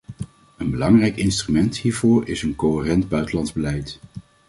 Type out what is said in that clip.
Een belangrijk instrument hiervoor is een coherent buitenlands beleid.